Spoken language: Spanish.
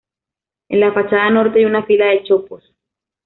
En la fachada norte hay una fila de chopos.